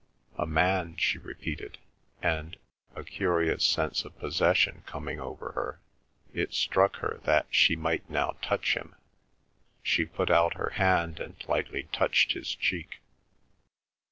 "A man," she repeated, and a curious sense of possession coming over her, it struck her that she might now touch him; she put out her hand and lightly touched his cheek.